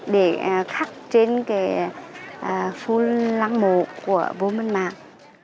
để khắc trên cái phun lăng mộ của vô minh mạng